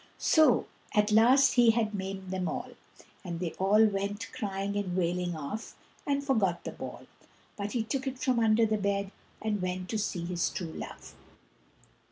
So at last he had maimed them all, and they all went crying and wailing off, and forgot the ball, but he took it from under the bed, and went to seek his true love.